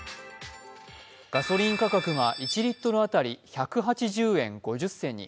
ガソリン価格が１リットル当たり１８０円５０銭に。